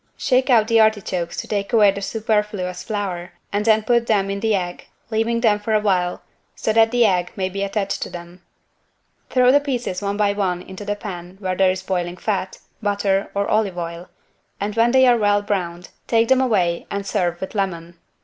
Shake out the artichokes to take away the superfluous flour and then put them in the egg, leaving them for a while so that the egg may be attached to them. Throw the pieces one by one into the pan where there is boiling fat, butter or olive oil, and when they are well browned, take them away and serve with lemon.